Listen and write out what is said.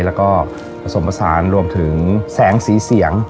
แล้วก็ผสมผสานรวมถึงแสงสีเสียง